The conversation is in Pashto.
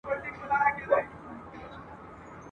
په لږ وخت کي سوې بد بویه زرغونې سوې ..